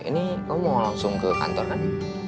ini kamu mau langsung ke kantor kan